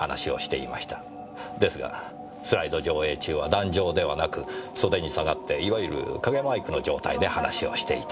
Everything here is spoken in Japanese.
ですがスライド上映中は壇上ではなく袖に下がっていわゆる影マイクの状態で話をしていた。